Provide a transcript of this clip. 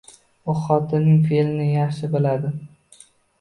U xotinining fe`lini yaxshi biladi